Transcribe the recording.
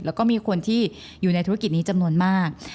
แล้วก็มีคนที่อยู่ในธุรกิจนี้จำนวนมาก